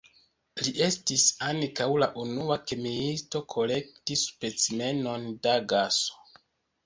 Li estis ankaŭ la unua kemiisto kolekti specimenon da gaso.